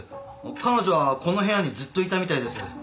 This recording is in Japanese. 彼女はこの部屋にずっといたみたいです。